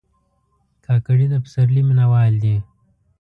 کاکړي د پسرلي مینهوال دي.